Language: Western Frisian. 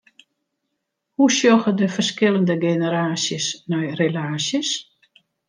Hoe sjogge de ferskillende generaasjes nei relaasjes?